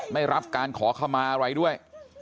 ไม่รับการขอขมาอะไรด้วย